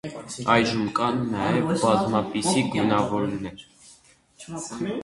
Այժմ կան նաև բազմապիսի գունավորումներ։